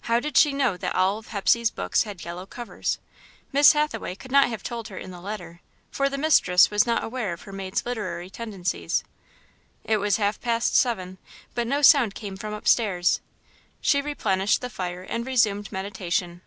How did she know that all of Hepsey's books had yellow covers? Miss Hathaway could not have told her in the letter, for the mistress was not awire of her maid's literary tendencies. It was half past seven, but no sound came from upstairs. She replenished the fire and resumed meditation.